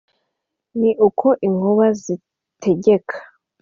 ni uko inkuba zitegeka